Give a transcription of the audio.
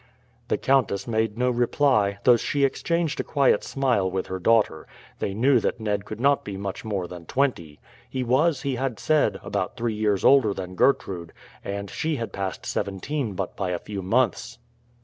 The countess made no reply, though she exchanged a quiet smile with her daughter. They knew that Ned could not be much more than twenty. He was, he had said, about three years older than Gertrude, and she had passed seventeen but by a few months.